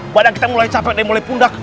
badan kita mulai capek dan mulai pundak